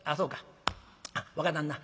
あっ若旦那